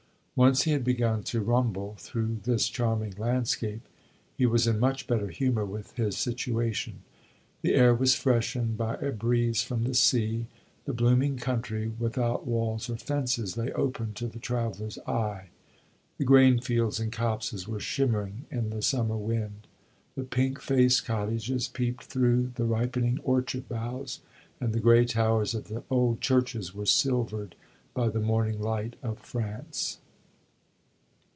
Once he had begun to rumble through this charming landscape, he was in much better humor with his situation; the air was freshened by a breeze from the sea; the blooming country, without walls or fences, lay open to the traveller's eye; the grain fields and copses were shimmering in the summer wind; the pink faced cottages peeped through the ripening orchard boughs, and the gray towers of the old churches were silvered by the morning light of France.